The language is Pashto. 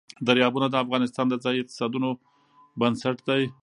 دریابونه د افغانستان د ځایي اقتصادونو بنسټ دی.